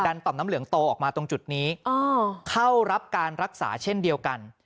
ต่อมน้ำเหลืองโตออกมาตรงจุดนี้เข้ารับการรักษาเช่นเดียวกัน